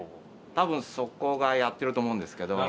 多分そこがやってると思うんですけど。